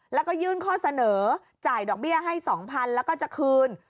แล้วก็ยื่นข้อเสนอจ่ายดอกเบี้ยให้๒๐๐๐แล้วก็จะคืน